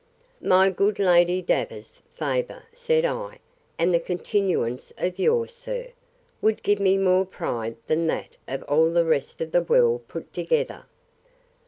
My good Lady Davers's favour, said I, and the continuance of yours, sir, would give me more pride than that of all the rest of the world put together.